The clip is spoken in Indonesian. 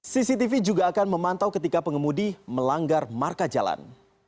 cctv juga akan memantau ketika pengemudi melanggar marka jalan